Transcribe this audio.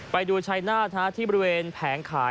ไปดูชายนาฏที่บริเวณแผงขาย